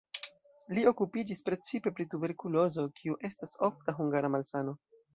Li okupiĝis precipe pri tuberkulozo, kiu estas ofta hungara malsano.